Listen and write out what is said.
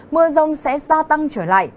mưa rông sẽ gia tăng trở lại